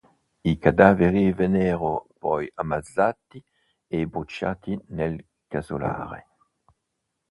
I cadaveri vennero poi ammassati e bruciati nel casolare.